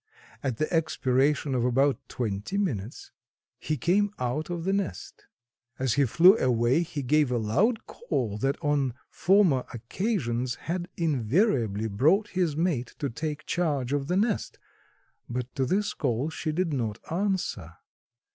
At the expiration of about twenty minutes he came out of the nest. As he flew away he gave a loud call that on former occasions had invariably brought his mate to take charge of the nest, but to this call she did not answer.